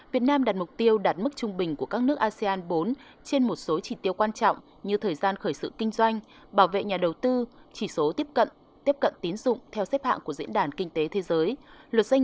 việt nam đặt mục tiêu đạt mức trung bình của các nước asean bốn trên một số chỉ tiêu quan trọng như thời gian khởi sự kinh doanh bảo vệ nhà đầu tư chỉ số tiếp cận tiếp cận tín dụng theo xếp hạng của diễn đàn kinh tế thế giới